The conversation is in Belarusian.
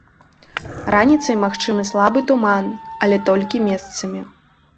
Раніцай магчымы слабы туман, але толькі месцамі.